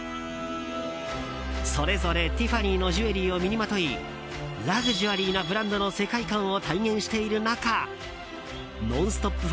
それぞれ、ティファニーのジュエリーを身にまといラグジュアリーなブランドの世界観を体現している中「ノンストップ！」